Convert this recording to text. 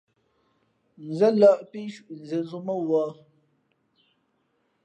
Zén lᾱꞌ pí cwǐʼzēn zǒ mά wα̌ ?